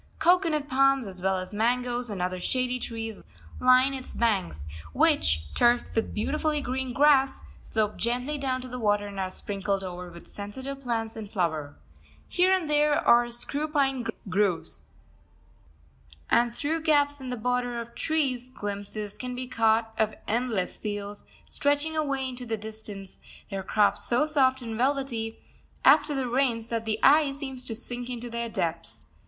Cocoanut palms as well as mangoes and other shady trees line its banks, which, turfed with beautifully green grass, slope gently down to the water, and are sprinkled over with sensitive plants in flower. Here and there are screwpine groves, and through gaps in the border of trees glimpses can be caught of endless fields, stretching away into the distance, their crops so soft and velvety after the rains that the eye seems to sink into their depths.